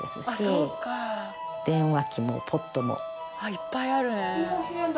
いっぱいあるね。